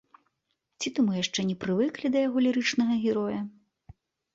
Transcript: Ці то мы яшчэ не прывыклі да яго лірычнага героя?